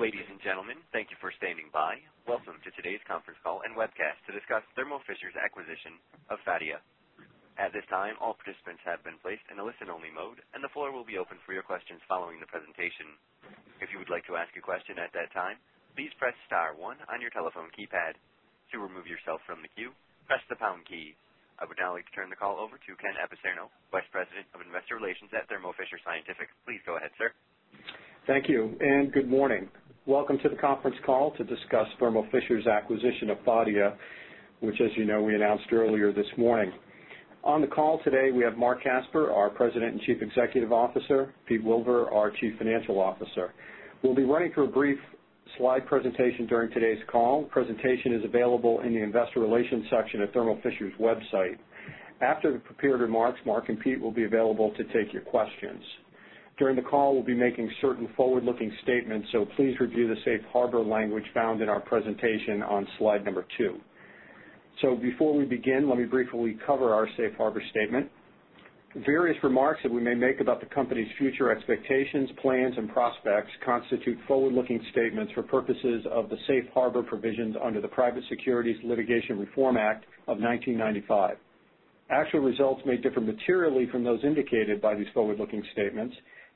Ladies and gentlemen, thank you for standing by. Welcome to today's conference call and webcast to discuss Thermo Fisher's acquisition of Phadia. At this time, all participants have been placed in a listen-only mode, and the floor will be open for your questions following the presentation. If you would like to ask your question at that time, please press star one on your telephone keypad. To remove yourself from the queue, press the pound key. I would now like to turn the call over to Ken Apicerno, Vice President of Investor Relations at Thermo Fisher Scientific. Please go ahead, sir. Thank you, and good morning. Welcome to the conference call to discuss Thermo Fisher's acquisition of Phadia, which, as you know, we announced earlier this morning. On the call today, we have Marc Casper, our President and Chief Executive Officer, and Pete Wilver, our Chief Financial Officer. We'll be running through a brief slide presentation during today's call. The presentation is available in the Investor Relations section of Thermo Fisher's website. After the prepared remarks, Marc and Pete will be available to take your questions. During the call, we'll be making certain forward-looking statements, so please review the safe harbor language found in our presentation on slide number 2. Before we begin, let me briefly cover our safe harbor statement. Various remarks that we may make about the company's future expectations, plans, and prospects constitute forward-looking statements for purposes of the safe harbor provisions under the Private Securities Litigation Reform Act of 1995. Actual results may differ materially from those indicated by these forward-looking statements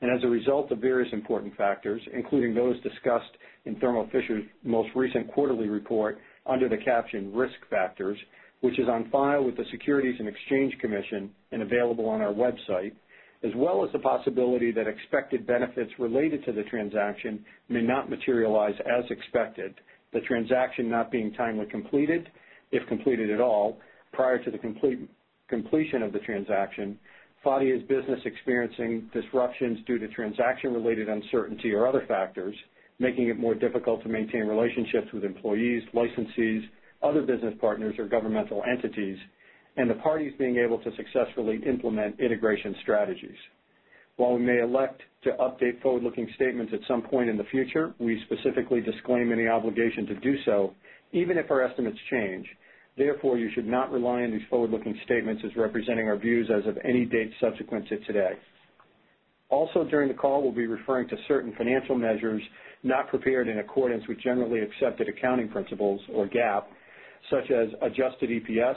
as a result of various important factors, including those discussed in Thermo Fisher's most recent quarterly report under the caption "Risk Factors," which is on file with the Securities and Exchange Commission and available on our website, as well as the possibility that expected benefits related to the transaction may not materialize as expected, the transaction not being timely completed, if completed at all, prior to the completion of the transaction, Phadia's business experiencing disruptions due to transaction-related uncertainty or other factors, making it more difficult to maintain relationships with employees, licensees, other business partners, or governmental entities, and the parties being able to successfully implement integration strategies. While we may elect to update forward-looking statements at some point in the future, we specifically disclaim any obligation to do so, even if our estimates change. Therefore, you should not rely on these forward-looking statements as representing our views as of any date subsequent to today. Also, during the call, we'll be referring to certain financial measures not prepared in accordance with generally accepted accounting principles, or GAAP, such as adjusted EPS,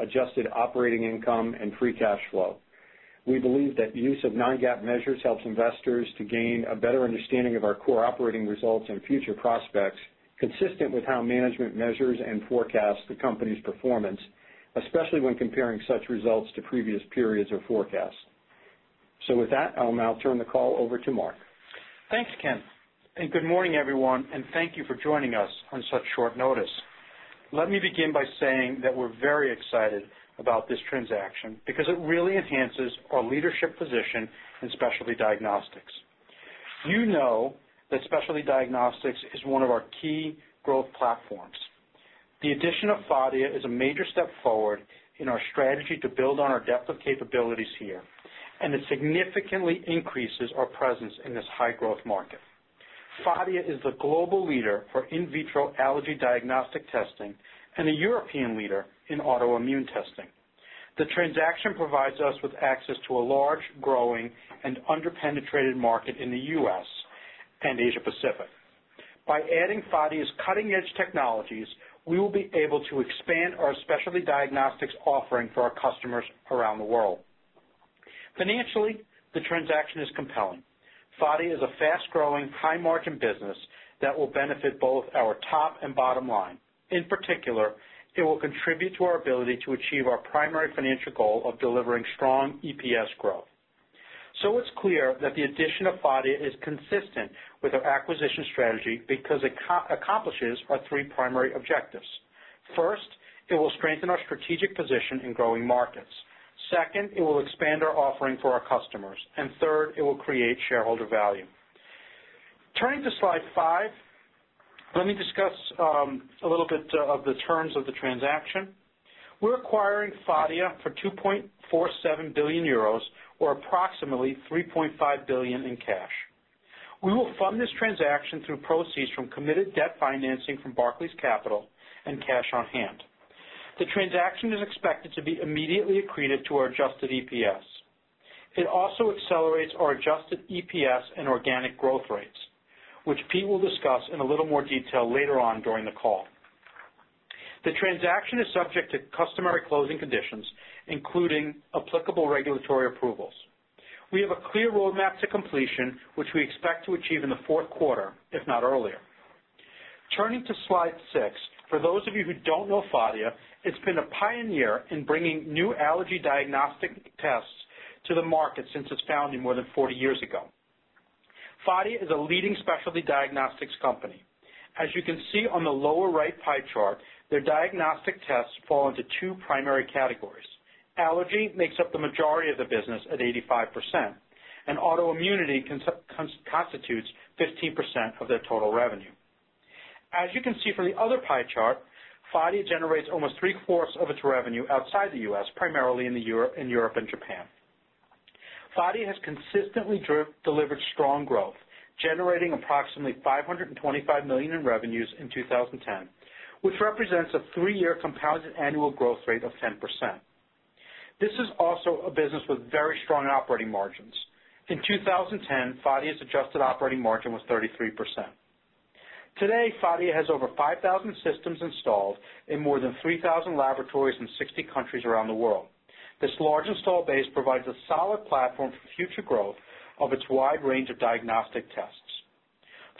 adjusted operating income, and free cash flow. We believe that the use of non-GAAP measures helps investors to gain a better understanding of our core operating results and future prospects, consistent with how management measures and forecasts the company's performance, especially when comparing such results to previous periods or forecasts. With that, I'll now turn the call over to Marc. Thanks, Ken, and good morning, everyone, and thank you for joining us on such short notice. Let me begin by saying that we're very excited about this transaction because it really enhances our leadership position in specialty diagnostics. You know that specialty diagnostics is one of our key growth platforms. The addition of Phadia is a major step forward in our strategy to build on our depth of capabilities here, and it significantly increases our presence in this high-growth market. Phadia is the global leader for in vitro allergy diagnostic testing and a European leader in autoimmune diagnostics. The transaction provides us with access to a large, growing, and underpenetrated market in the U.S. and Asia-Pacific. By adding Phadia's cutting-edge technologies, we will be able to expand our specialty diagnostics offering to our customers around the world. Financially, the transaction is compelling. Phadia is a fast-growing, high-margin business that will benefit both our top and bottom line. In particular, it will contribute to our ability to achieve our primary financial goal of delivering strong EPS growth. It is clear that the addition of Phadia is consistent with our acquisition strategy because it accomplishes our three primary objectives. First, it will strengthen our strategic position in growing markets. Second, it will expand our offering for our customers. Third, it will create shareholder value. Turning to slide five, let me discuss a little bit of the terms of the transaction. We're acquiring Phadia for 2.47 billion euros, or approximately $3.5 billion in cash. We will fund this transaction through proceeds from committed debt financing from Barclays Capital and cash on hand. The transaction is expected to be immediately accretive to our adjusted EPS. It also accelerates our adjusted EPS and organic growth rates, which Pete will discuss in a little more detail later on during the call. The transaction is subject to customary closing conditions, including applicable regulatory approvals. We have a clear roadmap to completion, which we expect to achieve in the fourth quarter, if not earlier. Turning to slide six, for those of you who don't know Phadia, it's been a pioneer in bringing new allergy diagnostic tests to the market since its founding more than 40 years ago. Phadia is a leading specialty diagnostics company. As you can see on the lower right pie chart, their diagnostic tests fall into two primary categories. Allergy makes up the majority of the business at 85%, and autoimmunity constitutes 15% of their total revenue. As you can see from the other pie chart, Phadia generates almost three-fourths of its revenue outside the U.S., primarily in Europe and Japan. Phadia has consistently delivered strong growth, generating approximately $525 million in revenues in 2010, which represents a three-year compounded annual growth rate of 10%. This is also a business with very strong operating margins. In 2010, Phadia's adjusted operating margin was 33%. Today, Phadia has over 5,000 systems installed in more than 3,000 laboratories in 60 countries around the world. This large install base provides a solid platform for future growth of its wide range of diagnostic tests.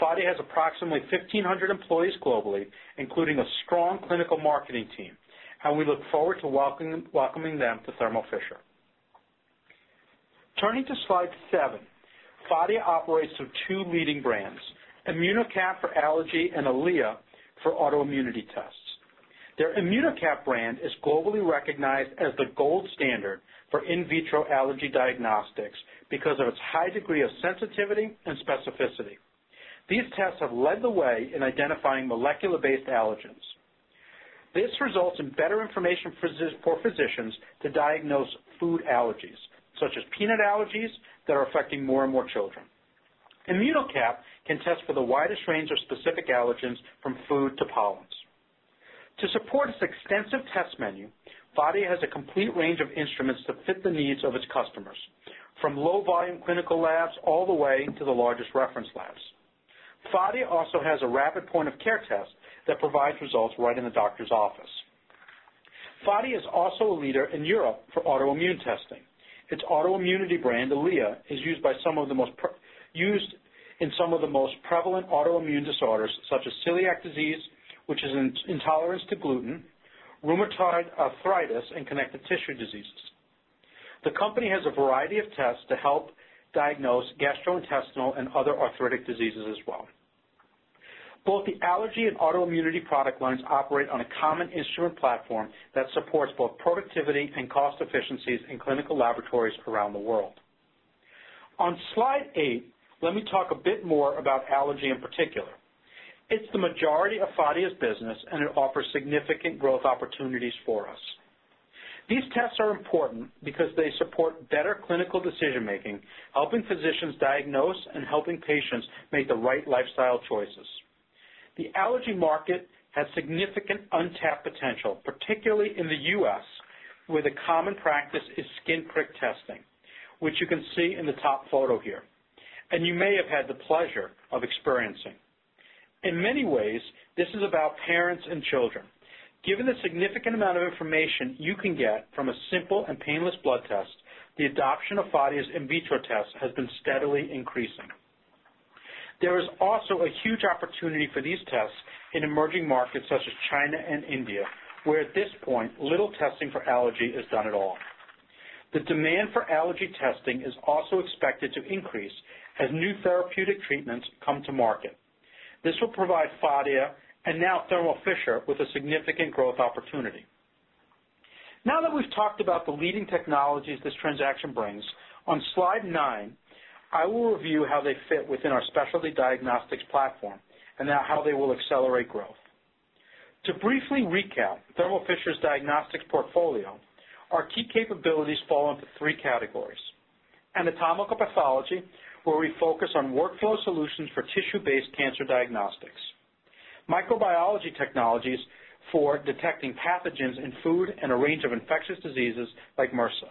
Phadia has approximately 1,500 employees globally, including a strong clinical marketing team, and we look forward to welcoming them to Thermo Fisher. Turning to slide seven, Phadia operates through two leading brands: ImmunoCAP for allergy and EliA for autoimmunity tests. Their ImmunoCAP brand is globally recognized as the gold standard for in vitro allergy diagnostics because of its high degree of sensitivity and specificity. These tests have led the way in identifying molecular-based allergens. This results in better information for physicians to diagnose food allergies, such as peanut allergies, that are affecting more and more children. ImmunoCAP can test for the widest range of specific allergens from food to pollens. To support its extensive test menu, Phadia has a complete range of instruments that fit the needs of its customers, from low-volume clinical labs all the way to the largest reference labs. Phadia also has a rapid point-of-care test that provides results right in the doctor's office. Phadia is also a leader in Europe for autoimmune testing. Its autoimmunity brand, EliA, is used in some of the most prevalent autoimmune disorders, such as celiac disease, which is an intolerance to gluten, rheumatoid arthritis, and connective tissue diseases. The company has a variety of tests to help diagnose gastrointestinal and other arthritic diseases as well. Both the allergy and autoimmunity product lines operate on a common instrument platform that supports both productivity and cost efficiencies in clinical laboratories around the world. On slide eight, let me talk a bit more about allergy in particular. It's the majority of Phadia's business, and it offers significant growth opportunities for us. These tests are important because they support better clinical decision-making, helping physicians diagnose, and helping patients make the right lifestyle choices. The allergy market has significant untapped potential, particularly in the U.S., where the common practice is skin prick testing, which you can see in the top photo here, and you may have had the pleasure of experiencing. In many ways, this is about parents and children. Given the significant amount of information you can get from a simple and painless blood test, the adoption of Phadia's in vitro tests has been steadily increasing. There is also a huge opportunity for these tests in emerging markets such as China and India, where at this point, little testing for allergy is done at all. The demand for allergy testing is also expected to increase as new therapeutic treatments come to market. This will provide Phadia, and now Thermo Fisher, with a significant growth opportunity. Now that we've talked about the leading technologies this transaction brings, on slide nine, I will review how they fit within our specialty diagnostics platform and how they will accelerate growth. To briefly recap Thermo Fisher's diagnostics portfolio, our key capabilities fall into three categories: anatomical pathology, where we focus on workflow solutions for tissue-based cancer diagnostics, microbiology technologies for detecting pathogens in food and a range of infectious diseases like MRSA,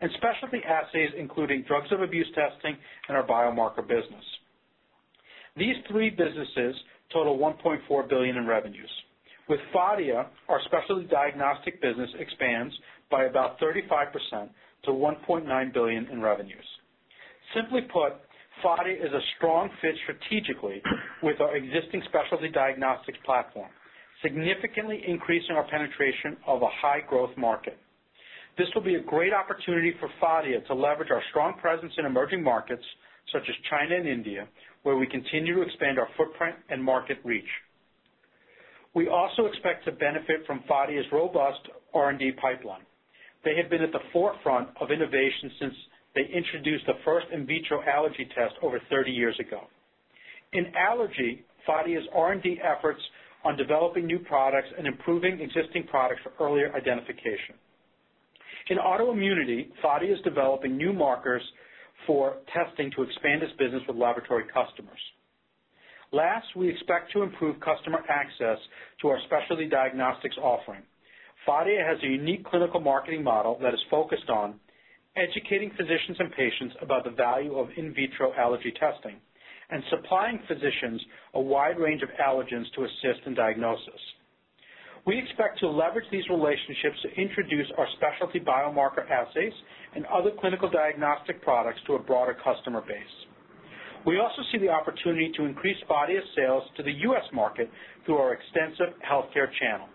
and specialty assays, including drugs of abuse testing and our biomarker business. These three businesses total $1.4 billion in revenues, with Phadia, our specialty diagnostic business, expanding by about 35% to $1.9 billion in revenues. Simply put, Phadia is a strong fit strategically with our existing specialty diagnostics platform, significantly increasing our penetration of a high-growth market. This will be a great opportunity for Phadia to leverage our strong presence in emerging markets such as China and India, where we continue to expand our footprint and market reach. We also expect to benefit from Phadia's robust R&D pipeline. They have been at the forefront of innovation since they introduced the first in vitro allergy test over 30 years ago. In allergy, Phadia's R&D efforts are developing new products and improving existing products for earlier identification. In autoimmunity, Phadia is developing new markers for testing to expand its business with laboratory customers. Last, we expect to improve customer access to our specialty diagnostics offering. Phadia has a unique clinical marketing model that is focused on educating physicians and patients about the value of in vitro allergy testing and supplying physicians a wide range of allergens to assist in diagnosis. We expect to leverage these relationships to introduce our specialty biomarker assays and other clinical diagnostic products to a broader customer base. We also see the opportunity to increase Phadia's sales to the U.S. market through our extensive healthcare channel.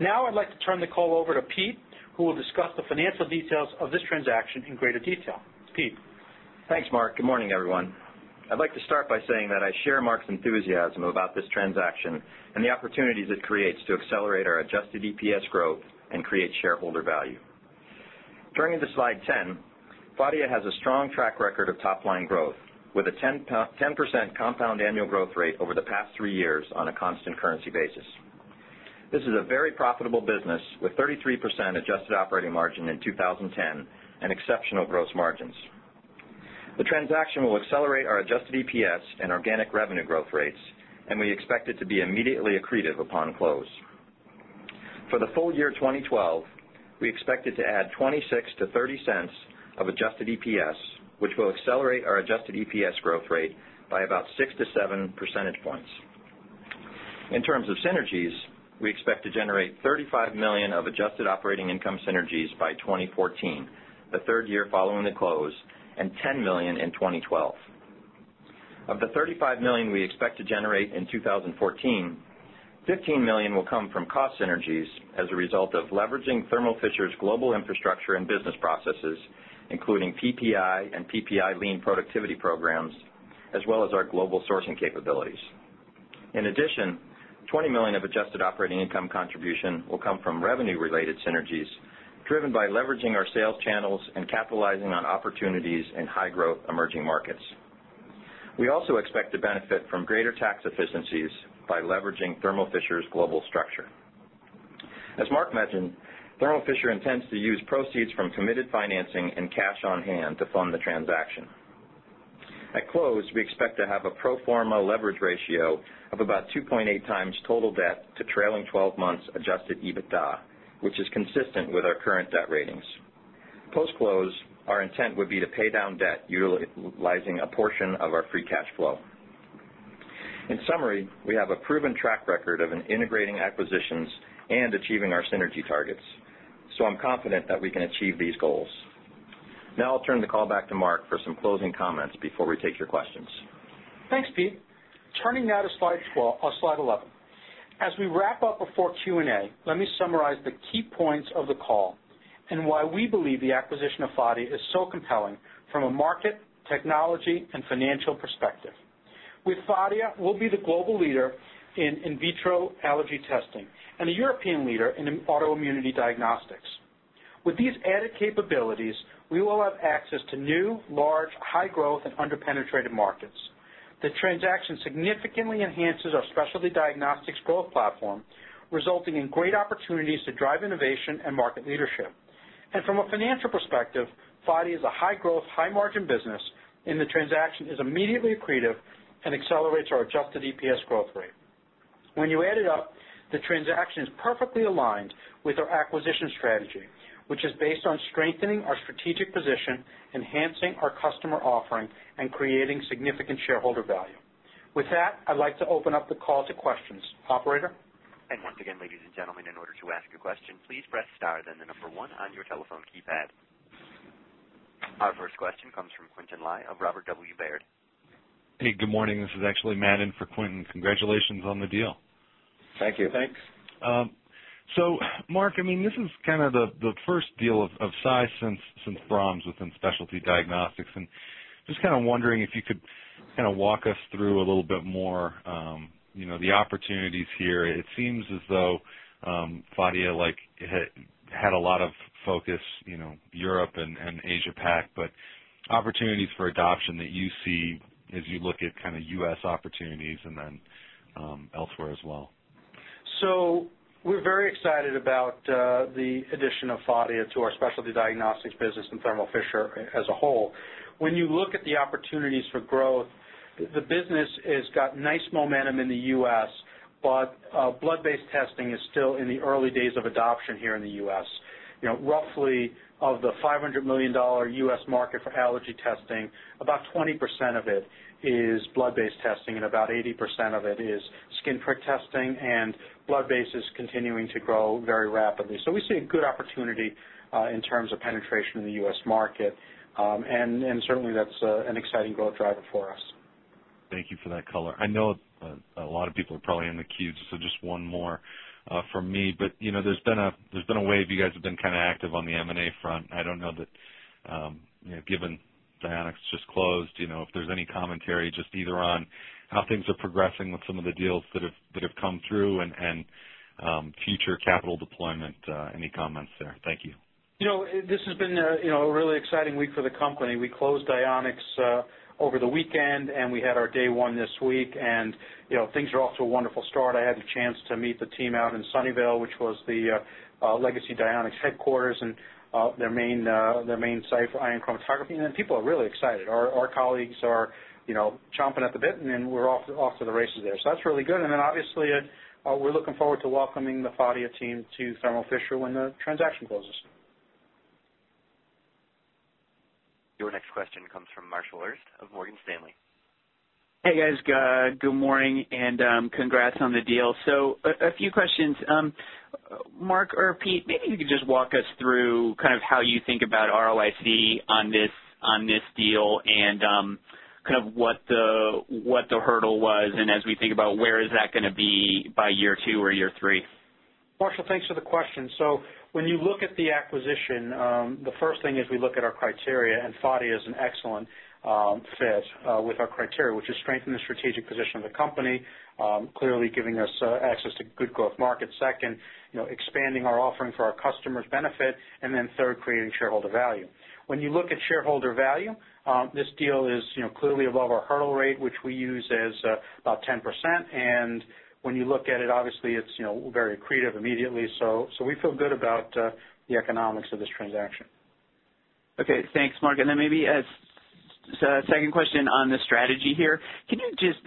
Now, I'd like to turn the call over to Pete, who will discuss the financial details of this transaction in greater detail. Pete. Thanks, Marc. Good morning, everyone. I'd like to start by saying that I share Marc's enthusiasm about this transaction and the opportunities it creates to accelerate our adjusted EPS growth and create shareholder value. Turning to slide 10, Phadia has a strong track record of top-line growth, with a 10% compound annual growth rate over the past three years on a constant currency basis. This is a very profitable business, with 33% adjusted operating margin in 2010 and exceptional gross margins. The transaction will accelerate our adjusted EPS and organic revenue growth rates, and we expect it to be immediately accretive upon close. For the full year 2012, we expect it to add $0.26-$0.30 of adjusted EPS, which will accelerate our adjusted EPS growth rate by about 6 percentage points-7 percentage points. In terms of synergies, we expect to generate $35 million of adjusted operating income synergies by 2014, the third year following the close, and $10 million in 2012. Of the $35 million we expect to generate in 2014, $15 million will come from cost synergies as a result of leveraging Thermo Fisher's global infrastructure and business processes, including PPI and PPI Lean Productivity programs, as well as our global sourcing capabilities. In addition, $20 million of adjusted operating income contribution will come from revenue-related synergies, driven by leveraging our sales channels and capitalizing on opportunities in high-growth emerging markets. We also expect to benefit from greater tax efficiencies by leveraging Thermo Fisher's global structure. As Marc mentioned, Thermo Fisher intends to use proceeds from committed financing and cash on hand to fund the transaction. At close, we expect to have a pro forma leverage ratio of about 2.8x total debt to trailing 12 months adjusted EBITDA, which is consistent with our current debt ratings. Post-close, our intent would be to pay down debt, utilizing a portion of our free cash flow. In summary, we have a proven track record of integrating acquisitions and achieving our synergy targets, so I'm confident that we can achieve these goals. Now, I'll turn the call back to Marc for some closing comments before we take your questions. Thanks, Pete. Turning now to slide 12, slide 11. As we wrap up before Q&A, let me summarize the key points of the call and why we believe the acquisition of Phadia is so compelling from a market, technology, and financial perspective. With Phadia, we'll be the global leader in in vitro allergy diagnostic testing and a European leader in autoimmune diagnostics. With these added capabilities, we will have access to new, large, high-growth, and underpenetrated markets. The transaction significantly enhances our specialty diagnostics growth platform, resulting in great opportunities to drive innovation and market leadership. From a financial perspective, Phadia is a high-growth, high-margin business, and the transaction is immediately accretive and accelerates our adjusted EPS growth rate. When you add it up, the transaction is perfectly aligned with our acquisition strategy, which is based on strengthening our strategic position, enhancing our customer offering, and creating significant shareholder value. With that, I'd like to open up the call to questions. Operator. Once again, ladies and gentlemen, in order to ask your question, please press star then the number one on your telephone keypad. Our first question comes from Quintin Lai of Robert W. Baird. Hey, good morning. This is actually Madden for Quintin. Congratulations on the deal. Thank you. Thanks. Marc, this is kind of the first deal of size since Broms within specialty diagnostics, and I'm just kind of wondering if you could walk us through a little bit more, you know, the opportunities here. It seems as though Phadia had a lot of focus, you know, Europe and Asia-Pacific, but opportunities for adoption that you see as you look at kind of U.S. opportunities and then elsewhere as well. We're very excited about the addition of Phadia to our specialty diagnostics business in Thermo Fisher as a whole. When you look at the opportunities for growth, the business has got nice momentum in the U.S., but blood-based testing is still in the early days of adoption here in the U.S. Roughly, of the $500 million U.S. market for allergy testing, about 20% of it is blood-based testing, and about 80% of it is skin prick testing, and blood-based is continuing to grow very rapidly. We see a good opportunity in terms of penetration in the U.S. market, and certainly, that's an exciting growth driver for us. Thank you for that color. I know a lot of people are probably on the queue, so just one more from me. There's been a wave, you guys have been kind of active on the M&A front. I don't know that, given Dionex just closed, if there's any commentary just either on how things are progressing with some of the deals that have come through and future capital deployment, any comments there? Thank you. This has been a really exciting week for the company. We closed Dionex over the weekend, and we had our day one this week, and things are off to a wonderful start. I had the chance to meet the team out in Sunnyvale, which was the legacy Dionex headquarters and their main site for ion chromatography, and people are really excited. Our colleagues are chomping at the bit, and we're off to the races there. That's really good. Obviously, we're looking forward to welcoming the Phadia team to Thermo Fisher when the transaction closes. Your next question comes from Marshall Urist of Morgan Stanley. Hey guys, good morning, and congrats on the deal. Marc or Pete, maybe you could just walk us through how you think about ROIC on this deal and what the hurdle was, and as we think about where is that going to be by year two or year three? Marshall, thanks for the question. When you look at the acquisition, the first thing is we look at our criteria, and Phadia is an excellent fit with our criteria, which is strengthening the strategic position of the company, clearly giving us access to good growth markets. Second, expanding our offering for our customers' benefit. Third, creating shareholder value. When you look at shareholder value, this deal is clearly above our hurdle rate, which we use as about 10%. When you look at it, obviously, it's very accretive immediately. We feel good about the economics of this transaction. Okay, thanks, Marc. Maybe as a second question on the strategy here, can you just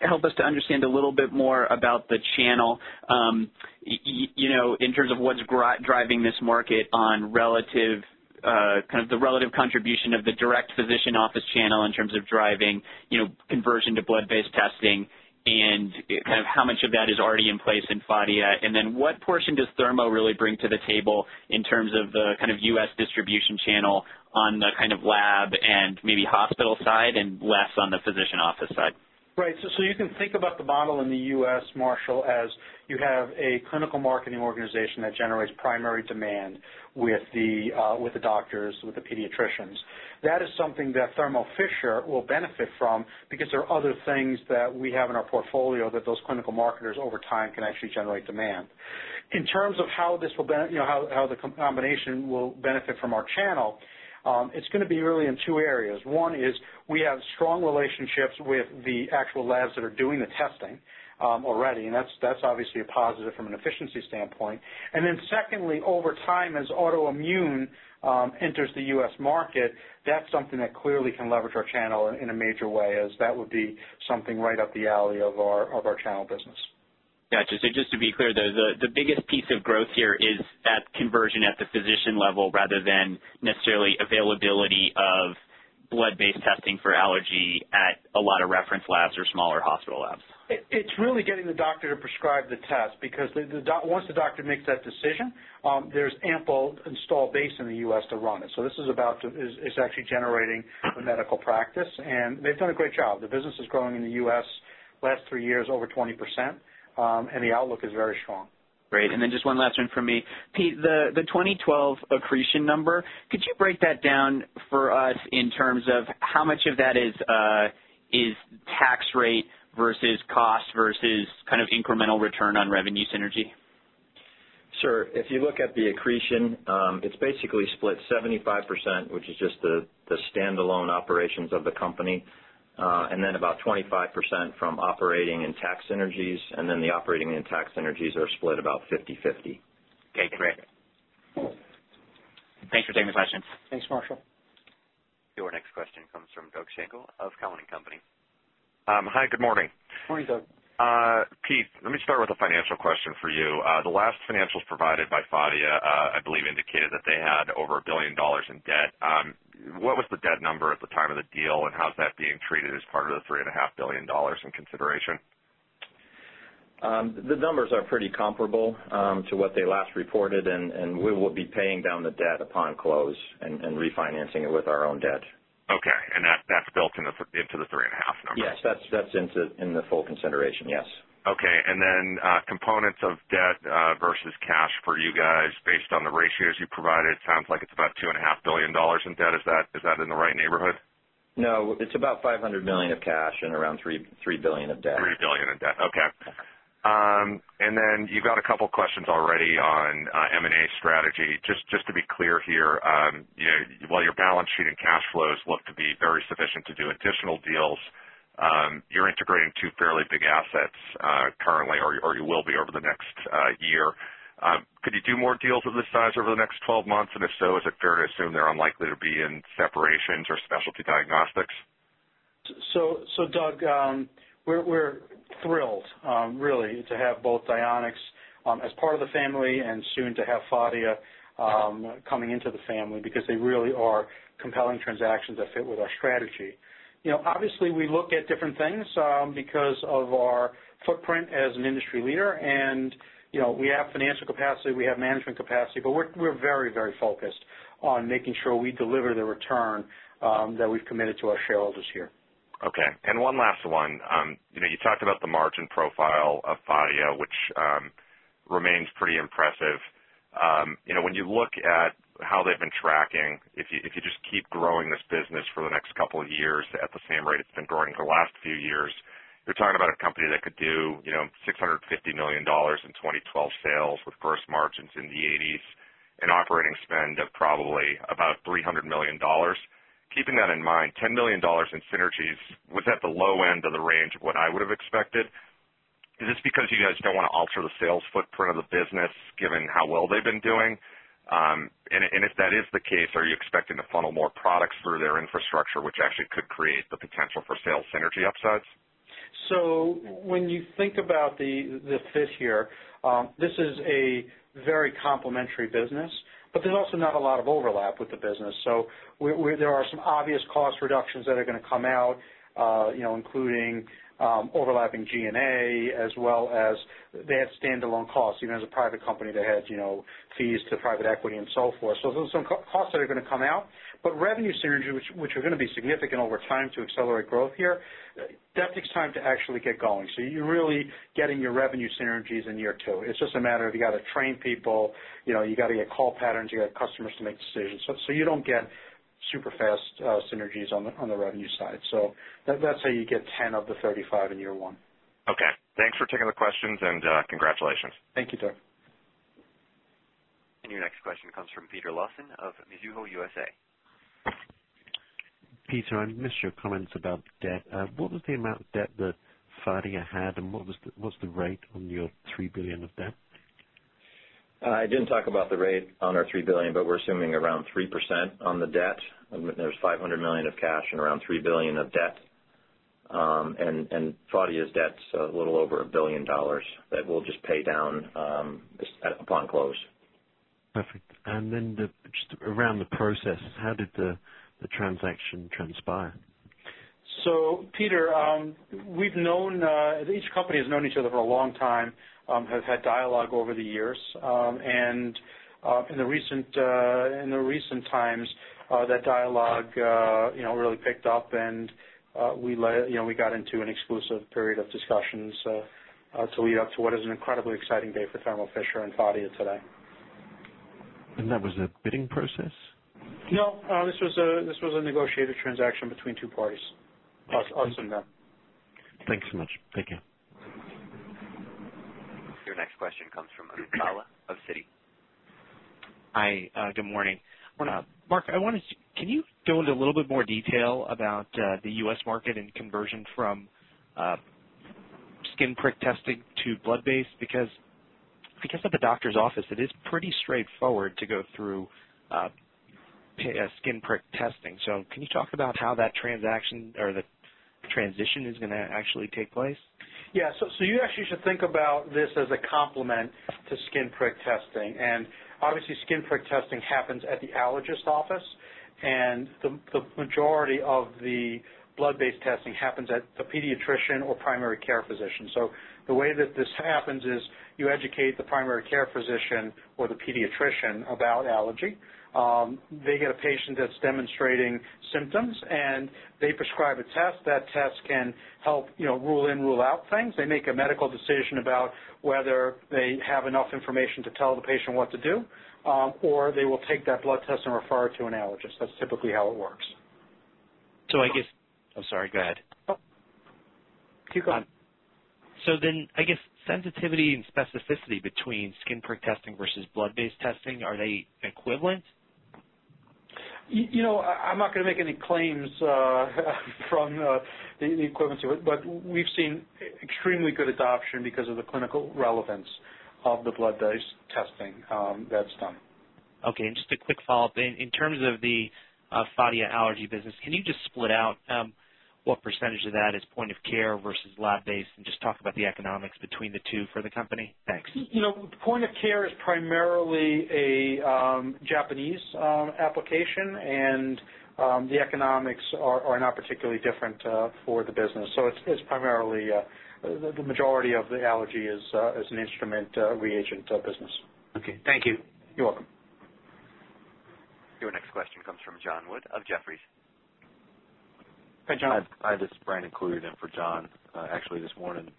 help us to understand a little bit more about the channel, you know, in terms of what's driving this market on relative, kind of the relative contribution of the direct physician office channel in terms of driving, you know, conversion to blood-based testing and kind of how much of that is already in place in Phadia? What portion does Thermo really bring to the table in terms of the kind of U.S. distribution channel on the kind of lab and maybe hospital side and less on the physician office side? Right. You can think about the model in the U.S., Marshall, as you have a clinical marketing organization that generates primary demand with the doctors, with the pediatricians. That is something that Thermo Fisher will benefit from because there are other things that we have in our portfolio that those clinical marketers over time can actually generate demand. In terms of how this will, you know, how the combination will benefit from our channel, it's going to be really in two areas. One is we have strong relationships with the actual labs that are doing the testing already, and that's obviously a positive from an efficiency standpoint. Then, over time, as autoimmune enters the U.S. market, that's something that clearly can leverage our channel in a major way, as that would be something right up the alley of our channel business. Gotcha. Just to be clear, though, the biggest piece of growth here is that conversion at the physician level rather than necessarily availability of blood-based testing for allergy at a lot of reference labs or smaller hospital labs. It's really getting the doctor to prescribe the test, because once the doctor makes that decision, there's ample install base in the U.S. to run it. This is about, it's actually generating a medical practice, and they've done a great job. The business is growing in the U.S. the last three years over 20%, and the outlook is very strong. Great. Just one last one from me. Pete, the 2012 accretion number, could you break that down for us in terms of how much of that is tax rate versus cost versus kind of incremental return on revenue synergy? Sure. If you look at the accretion, it's basically split 75%, which is just the standalone operations of the company, and then about 25% from operating and tax synergies, and then the operating and tax synergies are split about 50/50. Okay, great. Thanks for taking the question. Thanks, Marshall. Your next question comes from Doug Schenkel of Cowen & Company. Hi, good morning. Morning, Doug. Pete, let me start with a financial question for you. The last financials provided by Phadia, I believe, indicated that they had over $1 billion in debt. What was the debt number at the time of the deal, and how's that being treated as part of the $3.5 billion in consideration? The numbers are pretty comparable to what they last reported, and we will be paying down the debt upon close, refinancing it with our own debt. Okay, and that's built into the $3.5 billion? Yes, that's in the full consideration, yes. Okay. Components of debt versus cash for you guys, based on the ratios you provided, it sounds like it's about $2.5 billion in debt. Is that in the right neighborhood? No, it's about $500 million of cash and around $3 billion of debt. $3 billion in debt, okay. You got a couple of questions already on M&A strategy. Just to be clear here, while your balance sheet and cash flows look to be very sufficient to do additional deals, you're integrating two fairly big assets currently, or you will be over the next year. Could you do more deals of this size over the next 12 months? If so, is it fair to assume they're unlikely to be in separations or specialty diagnostics? We're thrilled, really, to have both Dionex as part of the family and soon to have Phadia coming into the family because they really are compelling transactions that fit with our strategy. Obviously, we look at different things because of our footprint as an industry leader, and we have financial capacity, we have management capacity, but we're very, very focused on making sure we deliver the return that we've committed to our shareholders here. Okay. And one last one. You know, you talked about the margin profile of Phadia, which remains pretty impressive. You know, when you look at how they've been tracking, if you just keep growing this business for the next couple of years at the same rate it's been growing the last few years, you're talking about a company that could do $650 million in 2012 sales with gross margins in the 80% range and operating spend of probably about $300 million. Keeping that in mind, $10 million in synergies was at the low end of the range of what I would have expected. Is this because you guys don't want to alter the sales footprint of the business given how well they've been doing? If that is the case, are you expecting to funnel more products through their infrastructure, which actually could create the potential for sales synergy upsides? When you think about the fit here, this is a very complementary business, but there's also not a lot of overlap with the business. There are some obvious cost reductions that are going to come out, including overlapping G&A, as well as they have standalone costs. As a private company, they had fees to private equity and so forth. There are some costs that are going to come out, but revenue synergies, which are going to be significant over time to accelerate growth here, that takes time to actually get going. You're really getting your revenue synergies in year two. It's just a matter of you got to train people, you got to get call patterns, you got customers to make decisions. You don't get super fast synergies on the revenue side. That's how you get 10 of the 35 in year one. Okay, thanks for taking the questions, and congratulations. Thank you, Doug. Your next question comes from Peter Lawson of Mizuho USA. Pete, I missed your comments about debt. What was the amount of debt that Phadia had, and what's the rate on your $3 billion of debt? I didn't talk about the rate on our $3 billion, but we're assuming around 3% on the debt. There's $500 million of cash and around $3 billion of debt, and Phadia's debt's a little over $1 billion that we'll just pay down just upon close. Perfect. Just around the process, how did the transaction transpire? Peter, we've known, each company has known each other for a long time, have had dialogue over the years, and in recent times, that dialogue really picked up, and we got into an exclusive period of discussions to lead up to what is an incredibly exciting day for Thermo Fisher and Phadia today. Was that a bidding process? No, this was a negotiated transaction between two parties. Awesome. Thanks so much. Thank you. Your next question comes from Amit Gala of Citi. Hi, good morning. Marc, I wanted to, can you go into a little bit more detail about the U.S. market and conversion from skin prick testing to blood-based? At the doctor's office, it is pretty straightforward to go through skin prick testing. Can you talk about how that transaction or the transition is going to actually take place? You actually should think about this as a complement to skin prick testing. Obviously, skin prick testing happens at the allergist's office, and the majority of the blood-based testing happens at the pediatrician or primary care physician. The way that this happens is you educate the primary care physician or the pediatrician about allergy. They get a patient that's demonstrating symptoms, and they prescribe a test. That test can help rule in, rule out things. They make a medical decision about whether they have enough information to tell the patient what to do, or they will take that blood test and refer it to an allergist. That's typically how it works. I'm sorry, go ahead. Keep going. I guess sensitivity and specificity between skin prick testing versus blood-based testing, are they equivalent? You know, I'm not going to make any claims from the equivalency, but we've seen extremely good adoption because of the clinical relevance of the blood-based testing that's done. Okay, and just a quick follow-up. In terms of the Phadia allergy business, can you just split out what percentage of that is point-of-care versus lab-based and just talk about the economics between the two for the company? Thanks. Point-of-care is primarily a Japanese application, and the economics are not particularly different for the business. It's primarily, the majority of the allergy is an instrument reagent business. Okay, thank you. You're welcome. Your next question comes from Jon Wood of Jefferies. Hi, Jon. Hi, this is Brian Tanquilut in for Jon this morning.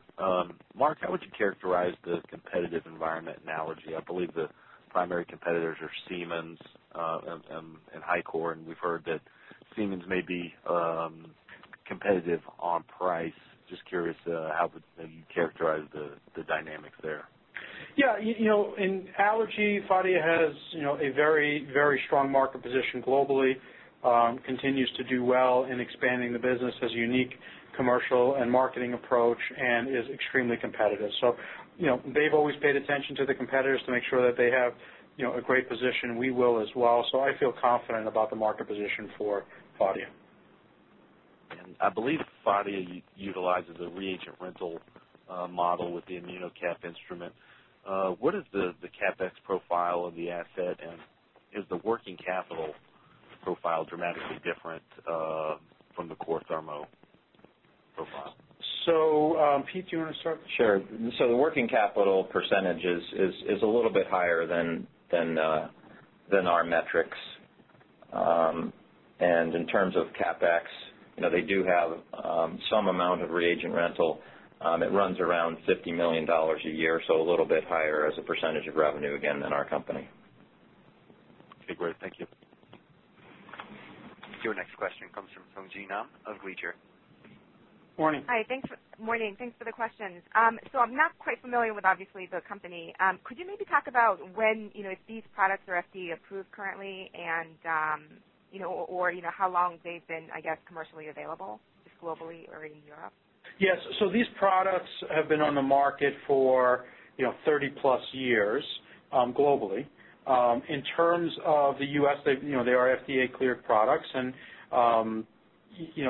Marc, how would you characterize the competitive environment in allergy? I believe the primary competitors are Siemens and HyCor, and we've heard that Siemens may be competitive on price. Just curious how you'd characterize the dynamics there. Yeah, you know, in allergy, Phadia has a very, very strong market position globally, continues to do well in expanding the business, has a unique commercial and marketing approach, and is extremely competitive. They've always paid attention to the competitors to make sure that they have a great position. We will as well. I feel confident about the market position for Phadia. I believe Phadia utilizes a reagent rental model with the ImmunoCAP instrument. What is the CapEx profile of the asset, and is the working capital profile dramatically different from the core Thermo profile? Pete, do you want to start? Sure. The working capital percentage is a little bit higher than our metrics. In terms of CapEx, they do have some amount of reagent rental. It runs around $50 million a year, so a little bit higher as a percentage of revenue, again, than our company. Okay, great, thank you. Your next question comes from Sung Ji Nam of Gleacher. Morning. Hi, thanks. Morning. Thanks for the questions. I'm not quite familiar with, obviously, the company. Could you maybe talk about when, you know, if these products are FDA approved currently and, you know, how long they've been, I guess, commercially available just globally or in Europe? Yes, these products have been on the market for 30+ years globally. In terms of the U.S., they are FDA-cleared products, and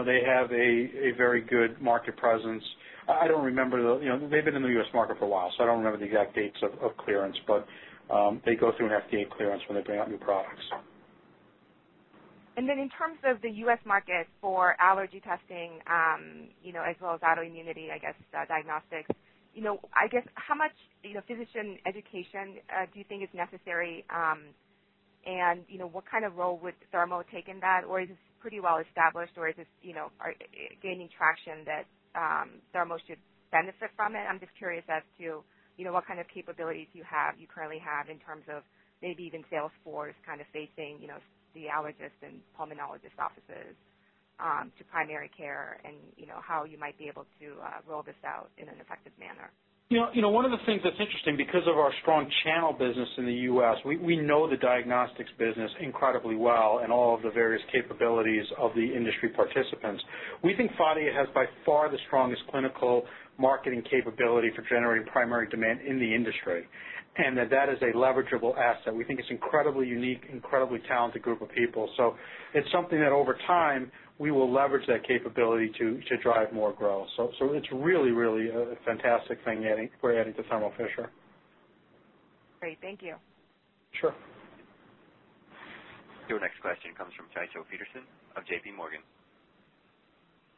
they have a very good market presence. I don't remember the exact dates of clearance, but they go through an FDA clearance when they bring out new products. In terms of the U.S. market for allergy testing, as well as autoimmunity diagnostics, how much physician education do you think is necessary, and what kind of role would Thermo take in that? Is this pretty well established, or is this gaining traction that Thermo should benefit from? I'm just curious as to what kind of capabilities you currently have in terms of maybe even Salesforce facing the allergist and pulmonologist offices to primary care, and how you might be able to roll this out in an effective manner. You know, one of the things that's interesting because of our strong channel business in the U.S., we know the diagnostics business incredibly well and all of the various capabilities of the industry participants. We think Phadia has by far the strongest clinical marketing capability for generating primary demand in the industry, and that is a leverageable asset. We think it's an incredibly unique, incredibly talented group of people. It's something that over time we will leverage that capability to drive more growth. It's really, really a fantastic thing we're adding to Thermo Fisher. Great, thank you. Sure. Your next question comes from Tycho Peterson of JPMorgan.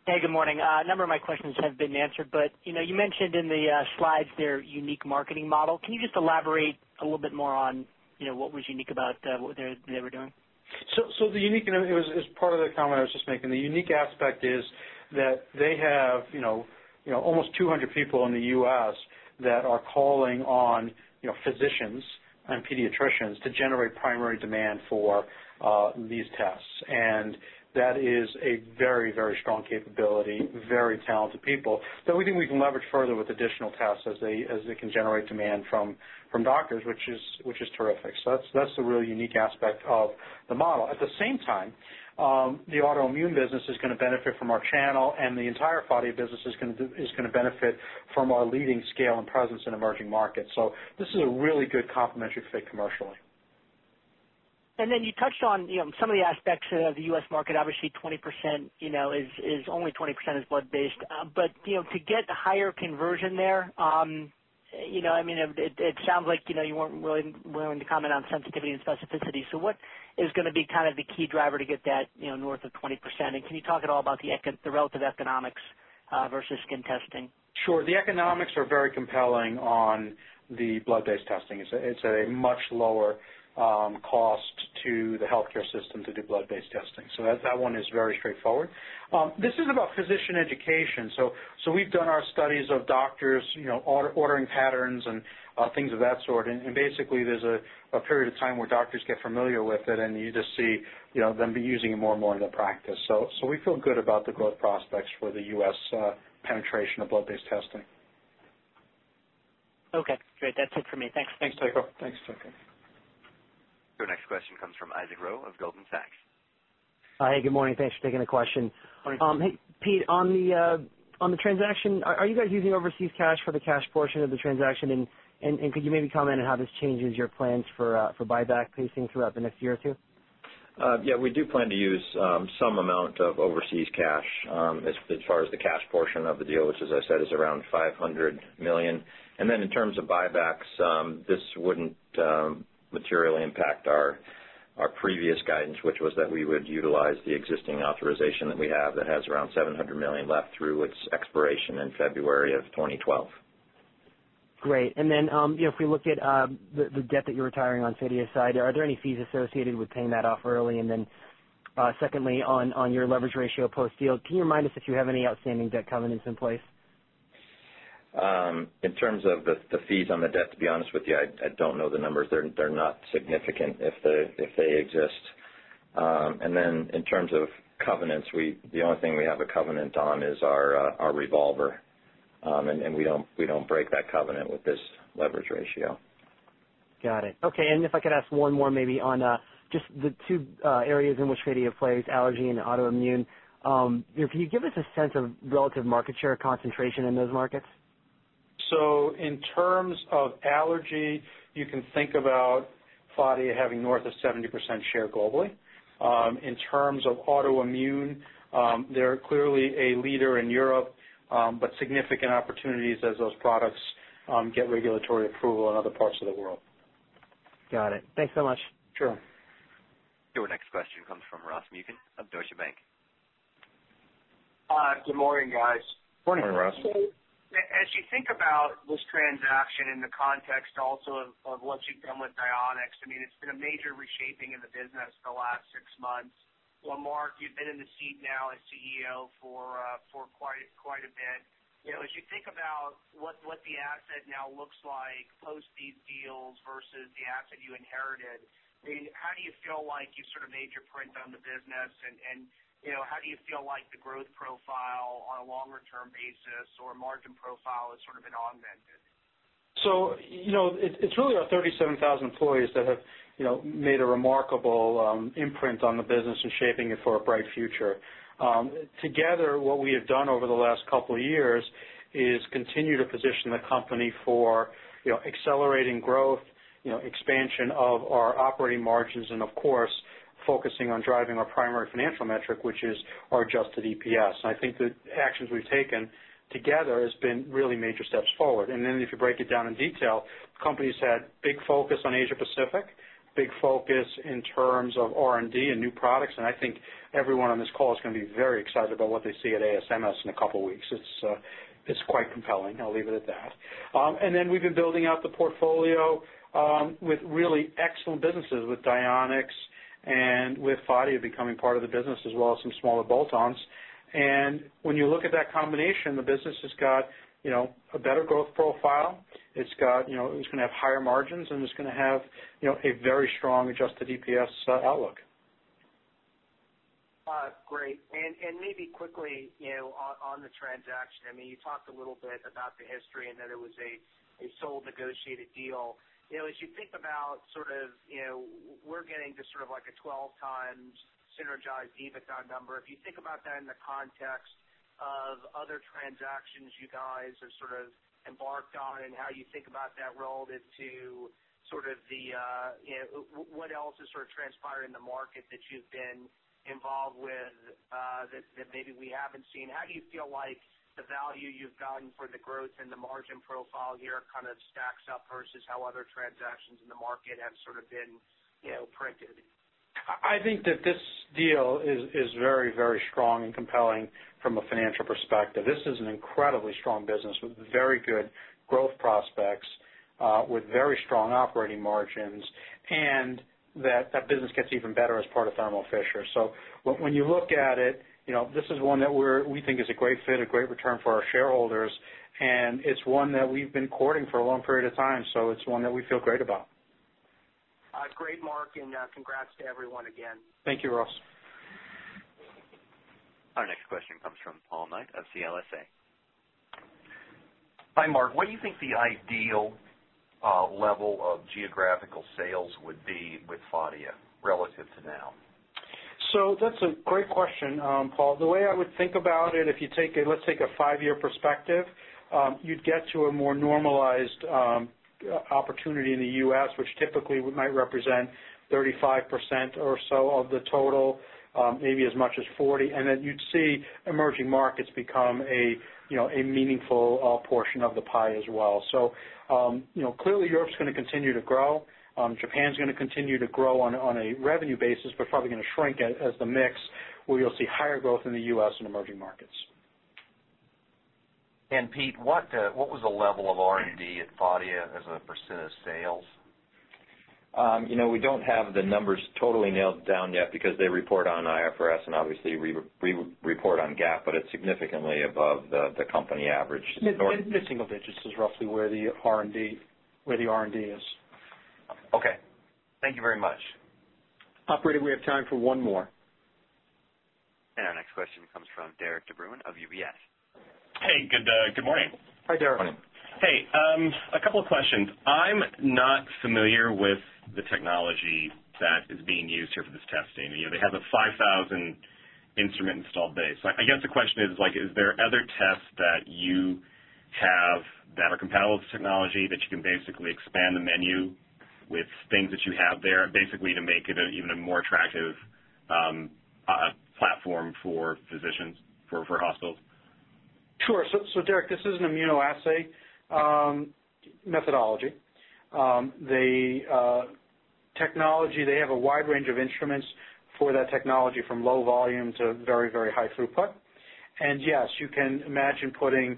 Hey, good morning. A number of my questions have been answered, but you mentioned in the slides their unique marketing model. Can you just elaborate a little bit more on what was unique about what they were doing? The unique, and it was part of the comment I was just making, the unique aspect is that they have almost 200 people in the U.S. that are calling on physicians and pediatricians to generate primary demand for these tests, and that is a very, very strong capability, very talented people. The only thing we can leverage further with additional tests is they can generate demand from doctors, which is terrific. That's a really unique aspect of the model. At the same time, the autoimmune business is going to benefit from our channel, and the entire Phadia business is going to benefit from our leading scale and presence in emerging markets. This is a really good complementary fit commercially. You touched on some of the aspects of the U.S. market. Obviously, 20% is blood-based, but to get higher conversion there, it sounds like you weren't willing to comment on sensitivity and specificity. What is going to be the key driver to get that north of 20%, and can you talk at all about the relative economics versus skin testing? Sure, the economics are very compelling on the blood-based testing. It's a much lower cost to the healthcare system to do blood-based testing. That one is very straightforward. This is about physician education. We've done our studies of doctors' ordering patterns and things of that sort, and basically, there's a period of time where doctors get familiar with it, and you just see them be using it more and more in their practice. We feel good about the growth prospects for the U.S. penetration of blood-based testing. Okay, great, that's it for me. Thanks. Thanks, Tycho. Thanks, Tycho. Your next question comes from Isaac Ro of Goldman Sachs. Hi, good morning. Thanks for taking the question. Hey, Pete, on the transaction, are you guys using overseas cash for the cash portion of the transaction, and could you maybe comment on how this changes your plans for buyback pacing throughout the next year or two? Yeah, we do plan to use some amount of overseas cash as far as the cash portion of the deal, which, as I said, is around $500 million. In terms of buybacks, this wouldn't materially impact our previous guidance, which was that we would utilize the existing authorization that we have that has around $700 million left through its expiration in February of 2012. Great. If we look at the debt that you're retiring on Phadia side, are there any fees associated with paying that off early? Secondly, on your leverage ratio post-deal, can you remind us if you have any outstanding debt covenants in place? In terms of the fees on the debt, to be honest with you, I don't know the numbers. They're not significant if they exist. In terms of covenants, the only thing we have a covenant on is our revolver, and we don't break that covenant with this leverage ratio. Got it. Okay, and if I could ask one more maybe on just the two areas in which Phadia plays, allergy and autoimmune, can you give us a sense of relative market share concentration in those markets? In terms of allergy, you can think about Phadia having north of 70% share globally. In terms of autoimmune, they're clearly a leader in Europe, but significant opportunities as those products get regulatory approval in other parts of the world. Got it. Thanks so much. Sure. Your next question comes from Ross Muken of Deutsche Bank. Hi, good morning, guys. Morning, Ross. As you think about this transaction in the context also of what you've done with Dionex, it's been a major reshaping in the business the last six months. Marc, you've been in the seat now as CEO for quite a bit. As you think about what the asset now looks like post-deal versus the asset you inherited, how do you feel like you've sort of made your print on the business, and how do you feel like the growth profile on a longer-term basis or margin profile has sort of been augmented? You know, it's really our 37,000 employees that have made a remarkable imprint on the business and shaping it for a bright future. Together, what we have done over the last couple of years is continue to position the company for accelerating growth, expansion of our operating margins, and of course, focusing on driving our primary financial metric, which is our adjusted EPS. I think the actions we've taken together have been really major steps forward. If you break it down in detail, the company's had a big focus on Asia-Pacific, big focus in terms of R&D and new products, and I think everyone on this call is going to be very excited about what they see at ASMS in a couple of weeks. It's quite compelling. I'll leave it at that. We've been building out the portfolio with really excellent businesses with Dionex and with Phadia becoming part of the business, as well as some smaller bolt-ons. When you look at that combination, the business has got a better growth profile. It's going to have higher margins, and it's going to have a very strong adjusted EPS outlook. Great. Maybe quickly, on the transaction, you talked a little bit about the history and that it was a sole negotiated deal. As you think about sort of, we're getting to like a 12x synergized EBITDA number. If you think about that in the context of other transactions you guys have embarked on and how you think about that relative to what else is transpiring in the market that you've been involved with that maybe we haven't seen, how do you feel like the value you've gotten for the growth and the margin profile here stacks up versus how other transactions in the market have been printed? I think that this deal is very, very strong and compelling from a financial perspective. This is an incredibly strong business with very good growth prospects, with very strong operating margins, and that business gets even better as part of Thermo Fisher. When you look at it, you know, this is one that we think is a great fit, a great return for our shareholders, and it's one that we've been courting for a long period of time, so it's one that we feel great about. Great, Marc, and congrats to everyone again. Thank you, Ross. Our next question comes from Paul Knight of CLSA. Hi, Marc. What do you think the ideal level of geographical sales would be with Phadia relative to now? That's a great question, Paul. The way I would think about it, if you take a five-year perspective, you'd get to a more normalized opportunity in the U.S., which typically might represent 35% or so of the total, maybe as much as 40%, and then you'd see emerging markets become a meaningful portion of the pie as well. Clearly, Europe's going to continue to grow. Japan's going to continue to grow on a revenue basis, but probably going to shrink as the mix where you'll see higher growth in the U.S. and emerging markets. Pete, what was the level of R&D at Phadia as a percentage of sales? You know, we don't have the numbers totally nailed down yet because they report on IFRS and obviously report on GAAP, but it's significantly above the company average. Mid-single digits is roughly where the R&D is. Okay, thank you very much. Operator, we have time for one more. Our next question comes from Derik de Bruin of UBS. Hey, good morning. Hi, Derik. Morning. Hey, a couple of questions. I'm not familiar with the technology that is being used here for this testing. They have a 5,000 instrument installed base. I guess the question is, is there other tests that you have that are compatible with this technology that you can basically expand the menu with things that you have there, basically to make it even a more attractive platform for physicians, for hospitals? Sure. This is an immunoassay methodology. The technology, they have a wide range of instruments for that technology from low volume to very, very high throughput. Yes, you can imagine putting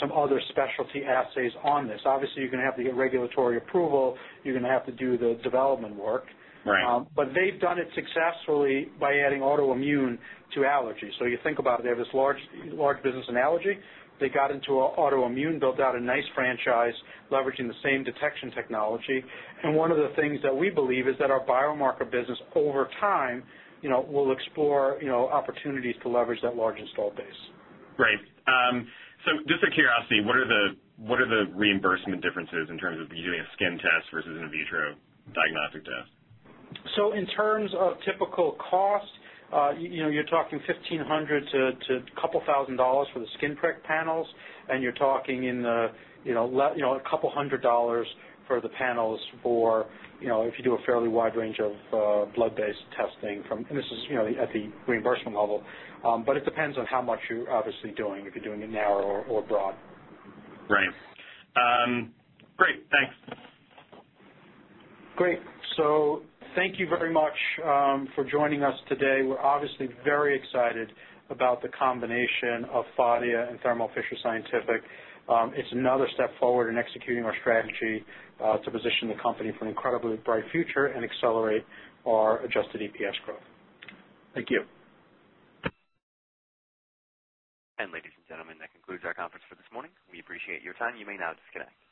some other specialty assays on this. Obviously, you're going to have to get regulatory approval. You're going to have to do the development work. Right. They've done it successfully by adding autoimmune to allergies. You think about it, they have this large business in allergy. They got into autoimmune, built out a nice franchise leveraging the same detection technology. One of the things that we believe is that our biomarker business over time will explore opportunities to leverage that large installed base. Great. Just out of curiosity, what are the reimbursement differences in terms of you doing a skin test versus an in vitro diagnostic test? In terms of typical cost, you're talking $1,500 to a couple thousand dollars for the skin prick panels, and you're talking in the, you know, a couple hundred dollars for the panels for, you know, if you do a fairly wide range of blood-based testing from, and this is, you know, at the reimbursement level, but it depends on how much you're obviously doing, if you're doing it now or abroad. Great. Great, thanks. Great. Thank you very much for joining us today. We're obviously very excited about the combination of Phadia and Thermo Fisher Scientific. It's another step forward in executing our strategy to position the company for an incredibly bright future and accelerate our adjusted EPS growth. Thank you. Ladies and gentlemen, that concludes our conference for this morning. We appreciate your time. You may now disconnect.